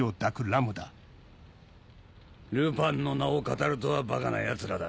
ルパンの名をかたるとはバカなヤツらだ。